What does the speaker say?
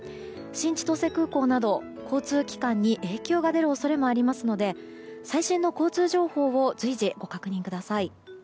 新千歳空港など交通機関に影響が出る恐れもありますので最新の交通情報を随時、ご確認ください。